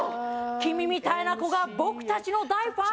君みたいな子が僕達の大ファン？